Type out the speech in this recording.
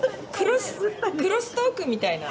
クロストークみたいな？